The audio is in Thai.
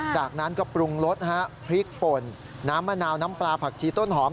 จากนั้นก็ปรุงรสพริกป่นน้ำมะนาวน้ำปลาผักชีต้นหอม